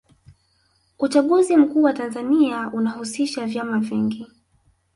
uchaguzi mkuu wa tanzania unahusisha vyama vingi